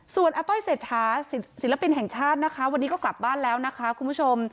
ส่วนอาต้อยเศรษฐาศิลปินแห่งชาตินะคะวันนี้ก็กลับบ้านแล้วนะคะคุณผู้ชม